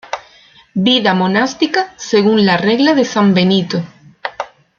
Vida monástica según la Regla de San Benito.